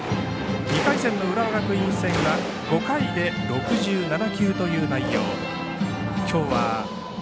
２回戦の浦和学院戦は５回で６７球という内容。